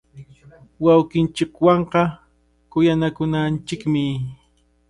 Wawqinchikwanqa kuyanakunanchikmi.